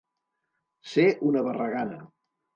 Ser una barragana.